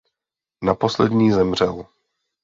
Na poslední zemřel.